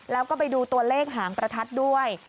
แล้วก็ไปดูตัวเลขหางประทัดด้วย